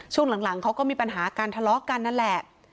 ช่วงหลังเขาก็มีปัญหาการทะเลาะกันนั่นแหละ